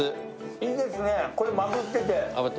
いいですね、これもあぶってて。